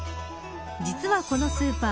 実はこのスーパー